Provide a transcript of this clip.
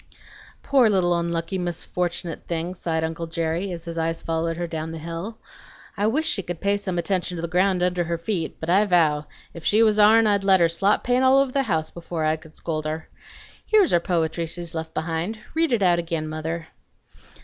"Poor little onlucky misfortunate thing!" sighed uncle Jerry, as his eyes followed her down the hill. "I wish she could pay some attention to the ground under her feet; but I vow, if she was ourn I'd let her slop paint all over the house before I could scold her. Here's her poetry she's left behind. Read it out ag'in, mother.